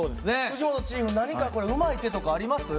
藤本チーフ何かこれうまい手とかあります？